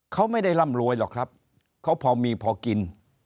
เขาไม่ได้ร่ำรวยหรอกครับเขาพอมีพอกิน